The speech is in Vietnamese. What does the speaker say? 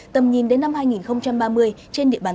tầm nhìn đến năm hai nghìn ba mươi